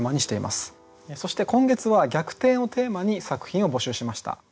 そして今月は「逆転」をテーマに作品を募集しました。